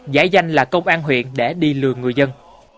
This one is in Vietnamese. giải danh là công an huyện để đi lừa người dân